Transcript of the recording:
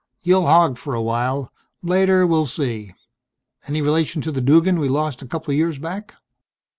"You'll hog for a while. Later we'll see.... Any relation to the Duggan we lost a couple of years back?"